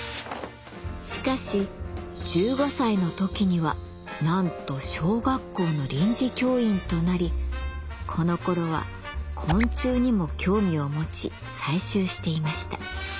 しかし１５歳の時にはなんと小学校の臨時教員となりこのころは昆虫にも興味を持ち採集していました。